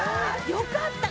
よかった。